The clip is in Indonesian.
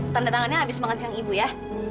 tanda tangannya habis makan siang ibu ya